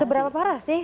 seberapa parah sih